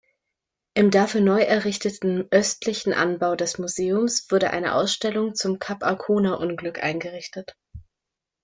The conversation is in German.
Im dafür neu errichteten östlichen Anbau des Museums wurde eine Ausstellung zum "Cap-Arcona"-Unglück eingerichtet.